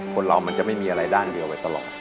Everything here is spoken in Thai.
คนเรามันจะไม่มีอะไรด้านเดียวไว้ตลอด